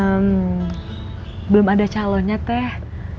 hmm belum ada calonnya teh